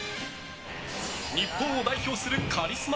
日本を代表するカリスマ